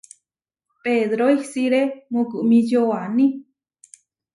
Pedro isiré mukumičio waní.